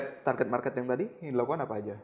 menangani target marketing yang tadi ini dilakukan apa saja